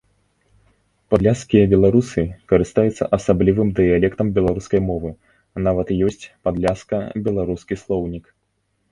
Падляшскія беларусы карыстаюцца асаблівым дыялектам беларускай мовы, нават ёсць падляшска-беларускі слоўнік.